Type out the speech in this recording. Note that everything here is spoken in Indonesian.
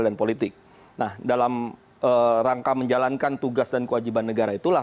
politik nah dalam rangka menjalankan tugas dan kewajiban negara itulah